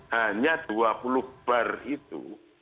hanya dua puluh bar itu